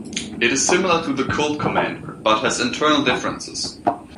It is similar to the Colt Commander, but has internal differences.